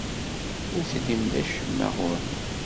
Ur tellim d acemma ɣer-i.